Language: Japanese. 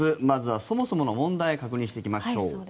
まずはそもそもの問題を確認していきましょう。